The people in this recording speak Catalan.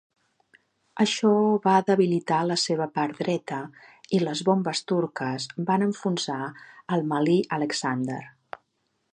Això va debilitar la seva part dreta, i les bombes turques van enfonsar el "Malyi Aleksandr".